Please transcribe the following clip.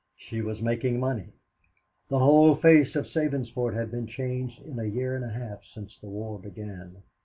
She was making money. The whole face of Sabinsport had been changed in the year and a half since the war began.